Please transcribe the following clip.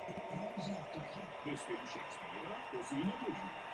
Vzájemně se podmiňují.